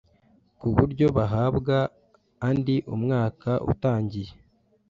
ku buryo bahabwa andi umwaka utangiye